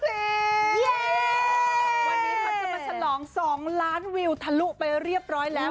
วันนี้เขาจะมาฉลอง๒ล้านวิวทะลุไปเรียบร้อยแล้ว